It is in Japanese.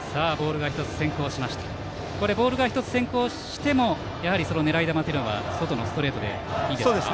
ボールが１つ先行しても狙い球というのは外のストレートでいいですか。